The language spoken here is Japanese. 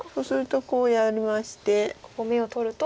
ここ眼を取ると。